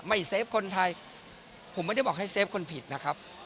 เซฟคนไทยผมไม่ได้บอกให้เซฟคนผิดนะครับ